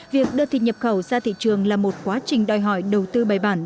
việc đưa thịt nhập khẩu ra thị trường là một quá trình đòi hỏi đầu tư bài bản